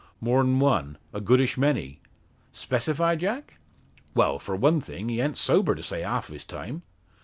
"More'n one a goodish many." "Specify, Jack?" "Well; for one thing, he a'nt sober to say half o' his time."